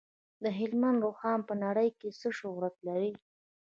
د هلمند رخام په نړۍ کې څه شهرت لري؟